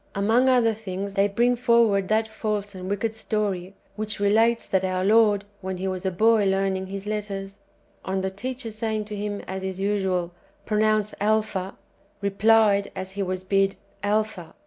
Among other things, they bring forward that false and wicked story which relates that our Lord, when He was a boy learning His letters, on the teacher saying to Him, as is usual, "Pronounce Alpha," replied [as He was bid], "Alpha."